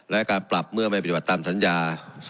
และการปรับเมื่อไม่ปฏิบัติตามสัญญา